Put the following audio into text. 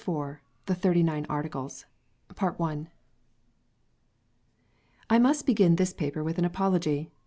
IV. THE THIRTY NINE ARTICLES. I MUST begin this paper with an apology.